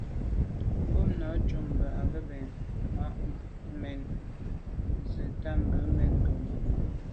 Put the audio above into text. Ngômnà' cúp mbə̄ á gə̀ mə̄ vwá' mɛ́n gə ̀tá bû mɛ́n bû máàp.